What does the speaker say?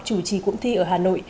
chủ trì cụm thi ở hà nội